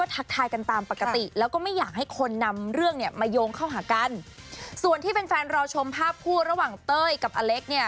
ที่เป็นแฟนรอชมภาพคู่ระหว่างเต้ยกับอเล็กเนี่ย